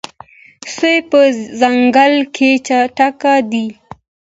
سوی په ځنګل کې چټک دی.